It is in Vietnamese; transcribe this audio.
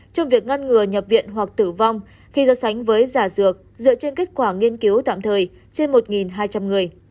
trong việc ngăn ngừa nhập viện hoặc tử vong khi so sánh với giả dược dựa trên kết quả nghiên cứu tạm thời trên một hai trăm linh người